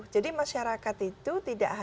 jadi masyarakat itu tidak ada